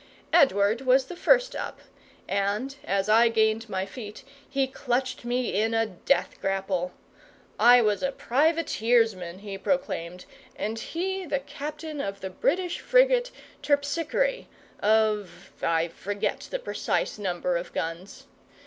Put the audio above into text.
Edward was the first up, and, as I gained my feet, he clutched me in a death grapple. I was a privateersman, he proclaimed, and he the captain of the British frigate Terpsichore, of I forget the precise number of guns.